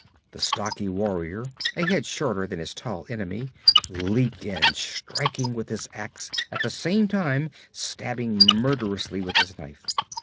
The stocky warrior, a head shorter than his tall enemy, leaped in, striking with his ax, at the same time stabbing murderously with his knife.